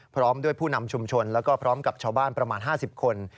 พร้อมด้วยผู้นำชุมชนแล้วก็พร้อมกับชาวบ้านประมาณ๕๐คน